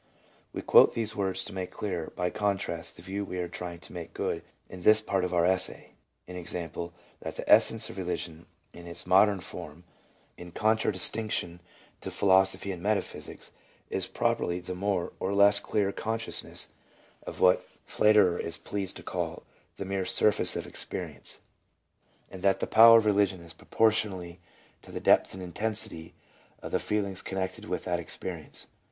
We quote these words to make clearer by contrast the view we are trying to make good in this part of our essay, i. e., that the essence of Eeligion in its modern form, in con tradistinction to Philosophy and Metaphysics, is properly the more or less clear consciousness of what Pfleiderer is pleased to call " the mere surface of experience," and that the power PSYCHOLOGY OF RELIGIOUS PHENOMENA. 317 of religion is proportional to the depth and intensity of the feelings connected with that experience.